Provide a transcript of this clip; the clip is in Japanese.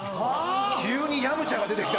急にヤムチャが出てきた！